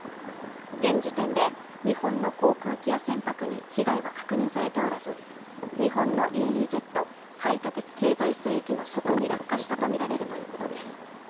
現時点で日本の航空機や船舶に被害は確認されておらず、日本のＥＥＺ＝排他的経済水域の外に落下したとみられるということです。